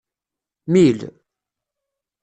Mil.